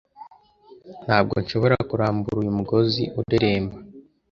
ntabwo nshobora kurambura uyu mugozi ureremba